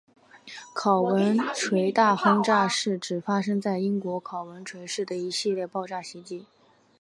考文垂大轰炸是指发生在英国考文垂市的一系列炸弹袭击。